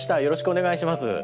よろしくお願いします。